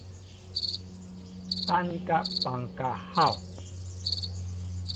等甲斑鴿吼